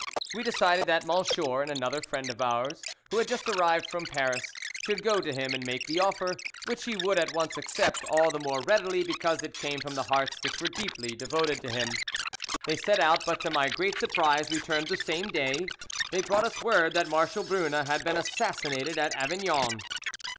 We decided that M____ and another friend of ours who had just arrived from Paris should go to him and make the offer, which he would at once accept all the more readily because it came from the hearts which were deeply devoted to him. They set out, but to my great surprise returned the same day. They brought us word that Marshal Brune had been assassinated at Avignon.